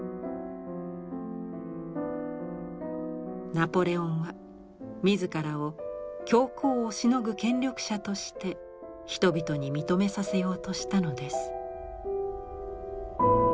ナポレオンは自らを教皇をしのぐ権力者として人々に認めさせようとしたのです。